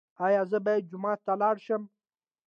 ایا زه باید جومات ته لاړ شم؟